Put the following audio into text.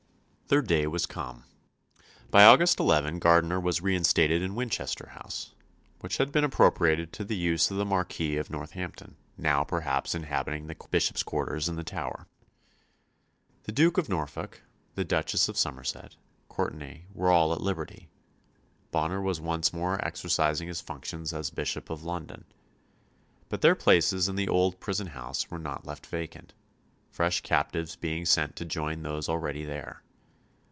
Their day was come. By August 11 Gardiner was reinstated in Winchester House, which had been appropriated to the use of the Marquis of Northampton, now perhaps inhabiting the Bishop's quarters in the Tower. The Duke of Norfolk, the Duchess of Somerset, Courtenay, were all at liberty. Bonner was once more exercising his functions as Bishop of London. But their places in the old prison house were not left vacant: fresh captives being sent to join those already there.